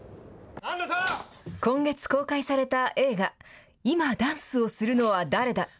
今月公開された映画いまダンスをするのは誰だ？